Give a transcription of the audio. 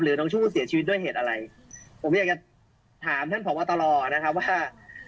น้องชมพู่เสียชีวิตด้วยเหตุอะไรผมอยากจะถามท่านผอบตรนะครับว่า